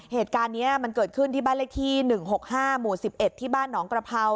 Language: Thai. เหตุการณ์นี้มันเกิดขึ้นที่บ้านเลขที่๑๖๕หมู่๑๑ที่บ้านหนองกระเภา